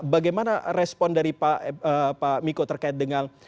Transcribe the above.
bagaimana respon dari pak miko terkait dengan